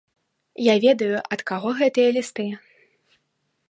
Я ведаю, ад каго гэтыя лісты.